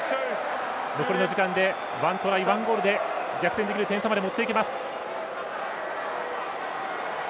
残りの時間で１ゴール１トライで逆転できる点差まで持っていけます。